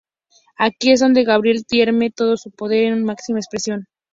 Aquí es donde Gabriel tiene todo su poder en su máxima expresión.